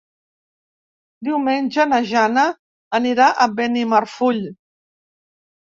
Diumenge na Jana anirà a Benimarfull.